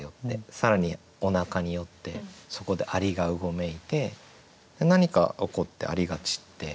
更におなかに寄ってそこで蟻が蠢いて何か起こって蟻が散って。